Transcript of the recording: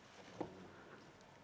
ke tempat yang